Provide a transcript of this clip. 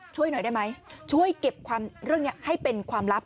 ช่วยหน่อยได้ไหมช่วยเก็บความเรื่องนี้ให้เป็นความลับ